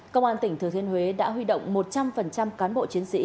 công an tỉnh thừa thiên huế đã huy động một trăm linh cán bộ trung tâm